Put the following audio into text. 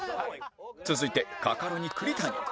続いてカカロニ栗谷